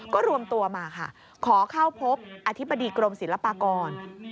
ก็รวมตัวมาค่ะขอเข้าพบอธิบดีกรมศิลปากร